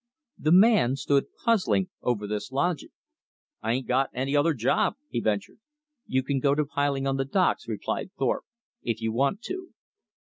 The man stood puzzling over this logic. "I ain't got any other job," he ventured. "You can go to piling on the docks," replied Thorpe, "if you want to."